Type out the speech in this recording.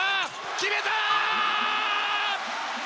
決めた！